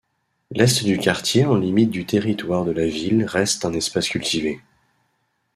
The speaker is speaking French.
L'est du quartier en limite du territoire de la Ville reste un espace cultivé.